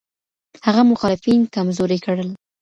هغه مخالفین کمزوري کړل.